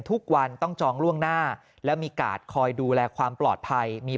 ทุกวันต้องจองล่วงหน้าแล้วมีกาดคอยดูแลความปลอดภัยมี